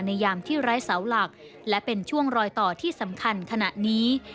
ยามที่ไร้เสาหลักและเป็นช่วงรอยต่อที่สำคัญขณะนี้